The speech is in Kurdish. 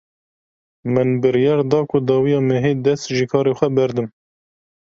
Min biryar da ku dawiya mehê dest ji karê xwe berdim.